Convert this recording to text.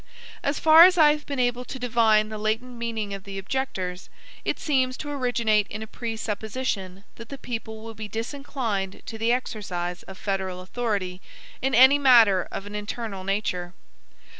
As far as I have been able to divine the latent meaning of the objectors, it seems to originate in a presupposition that the people will be disinclined to the exercise of federal authority in any matter of an internal nature.